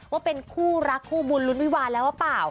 ว่าเป็นคู่รักคู่บุญลุ้นวิวาแล้วหรือเปล่า